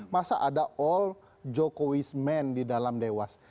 masa ada all jokowi's men di dalam dewas